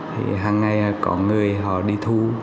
thì hàng ngày có người họ đi thu